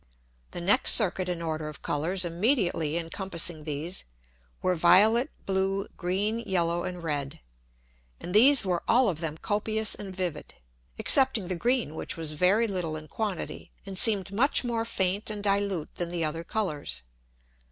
The next Circuit in order of Colours immediately encompassing these were violet, blue, green, yellow, and red: and these were all of them copious and vivid, excepting the green, which was very little in quantity, and seemed much more faint and dilute than the other Colours.